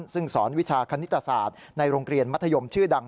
ซึ่งสอนวิชาคณิตศาสตร์ในโรงเรียนมัธยมชื่อดัง